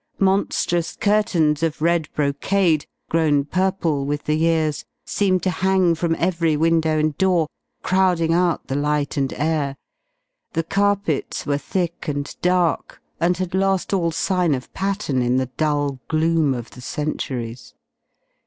Monstrous curtains of red brocade, grown purple with the years, seemed to hang from every window and door crowding out the light and air. The carpets were thick and dark and had lost all sign of pattern in the dull gloom of the centuries.